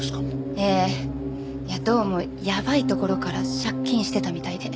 どうもやばいところから借金してたみたいで。